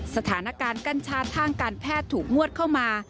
สถานการณ์กัญชาทางการแพทย์ถูกงวดเข้ามา